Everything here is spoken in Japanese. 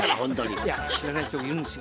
いや知らない人もいるんですよ。